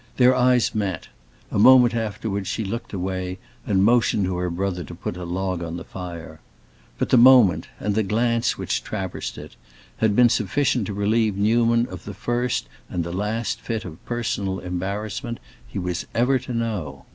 Their eyes met; a moment afterwards she looked away and motioned to her brother to put a log on the fire. But the moment, and the glance which traversed it, had been sufficient to relieve Newman of the first and the last fit of personal embarrassment he was ever to know.